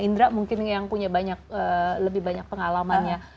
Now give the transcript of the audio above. indra mungkin yang punya lebih banyak pengalamannya